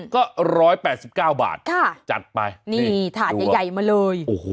ก็๑๘๙บาทจัดไปนี่ดูแล้วโอ้โฮนี่ถาดใหญ่มาเลย